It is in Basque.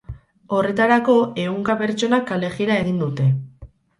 Horretarako, ehunka pertsonak kalejira egin dute.